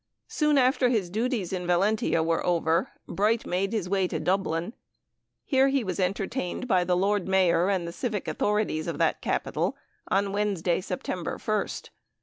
Soon after his duties at Valentia were over, Bright made his way to Dublin. Here he was entertained by the Lord Mayor and civic authorities of that capital on Wednesday, September 1st.